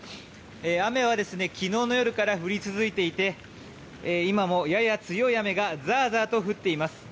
雨は昨日の夜から降り続いていて今もやや強い雨がザーザーと降り続いています。